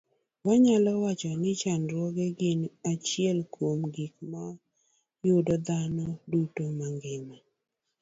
Wanyalo wacho ni chandruoge gin achiel kuom gik ma yudo dhano duto mangima